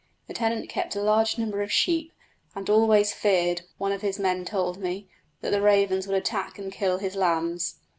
The tenant kept a large number of sheep, and always feared, one of his men told me, that the ravens would attack and kill his lambs.